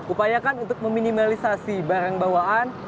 upayakan untuk meminimalisasi barang bawaan